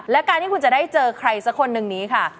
และการที่คุณจะได้เจอใครสักคนหนึ่งนี้ค่ะ